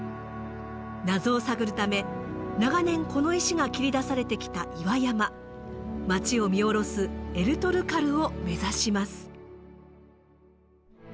謎を探るため長年この石が切り出されてきた岩山町を見下ろすエルトルカルを目指します。